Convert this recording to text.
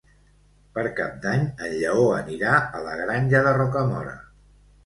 Per Cap d'Any en Lleó anirà a la Granja de Rocamora.